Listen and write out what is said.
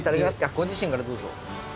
ご自身からどうぞ。